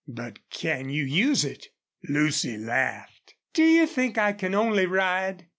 "But can you use it?" Lucy laughed. "Do you think I can only ride?"